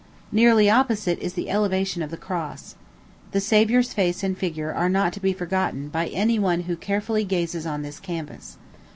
Nearly opposite is the Elevation of the Cross. The Savior's face and figure are not to be forgotten by any one who carefully gazes on this canvas.